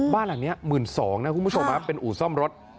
บ้านหลังนี้๑๒๐๐นะคุณผู้ชมเป็นอู่ซ่อมรถ